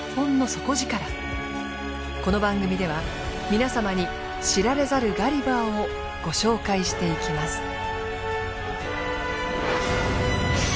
この番組では皆様に知られざるガリバーをご紹介していきます。